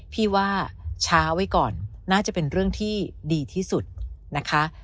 พี่ว่าช้าไว้ก่อนน่าจะเป็นเรื่องที่ดีที่สุดนะคะ